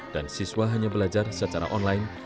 siswa hanya belajar secara online